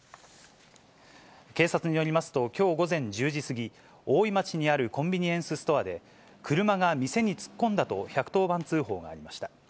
警察によりますと、きょう午前１０時過ぎ、大井町にあるコンビニエンスストアで、車が店に突っ込んだと１１０番通報がありました。